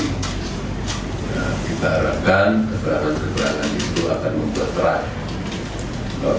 kita harapkan keberangan keberangan itu akan memperterai